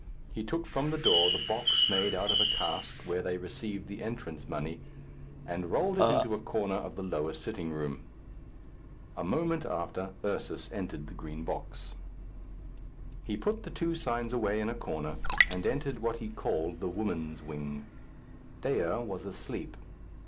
He took from the door the box made out of a cask, where they received the entrance money, and rolled it into a corner of the lower sitting room. A moment after, Ursus entered the Green Box. He put the two signs away in a corner, and entered what he called the woman's wing. Dea was asleep.